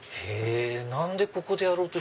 何でここでやろうと。